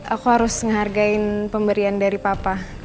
aku harus menghargain pemberian dari papa